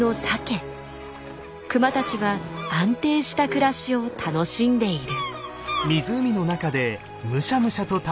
クマたちは安定した暮らしを楽しんでいる。